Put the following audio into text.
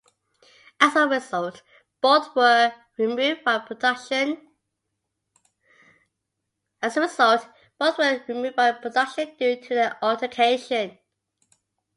As a result, both were removed by production due to the altercation.